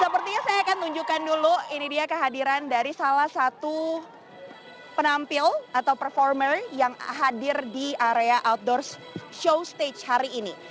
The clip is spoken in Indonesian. sepertinya saya akan tunjukkan dulu ini dia kehadiran dari salah satu penampil atau performer yang hadir di area outdoor show stage hari ini